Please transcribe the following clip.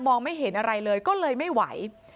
ไม่เห็นอะไรเลยก็เลยไม่ไหว